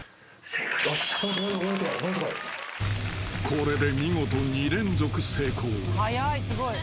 ［これで見事２連続成功。